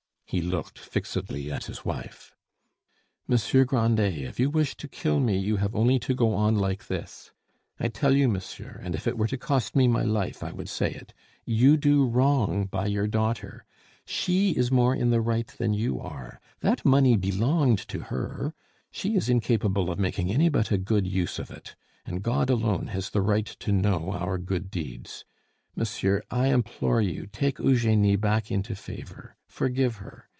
He looked fixedly at his wife. "Monsieur Grandet, if you wish to kill me, you have only to go on like this. I tell you, monsieur, and if it were to cost me my life, I would say it, you do wrong by your daughter; she is more in the right than you are. That money belonged to her; she is incapable of making any but a good use of it, and God alone has the right to know our good deeds. Monsieur, I implore you, take Eugenie back into favor; forgive her.